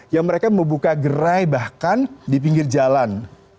yang mereka membuka gerai bahkan di pinggir jalan